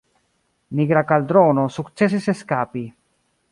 Nigra Kaldrono sukcesis eskapi.